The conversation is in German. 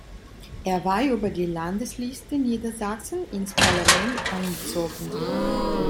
Er war über die Landesliste Niedersachsen ins Parlament eingezogen.